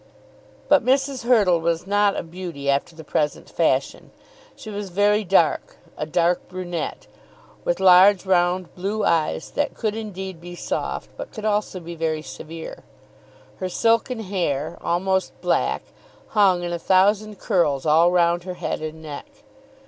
But Mrs. Hurtle was not a beauty after the present fashion. She was very dark, a dark brunette, with large round blue eyes, that could indeed be soft, but could also be very severe. Her silken hair, almost black, hung in a thousand curls all round her head and neck.